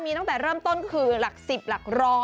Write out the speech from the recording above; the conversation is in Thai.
มีตั้งแต่เริ่มต้นคือหลัก๑๐หลัก๑๐๐